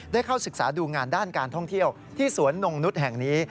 ได้เข้าศึกษาดูงานด้านการท่องเที่ยวที่สวนนงนุษย์แห่งนี้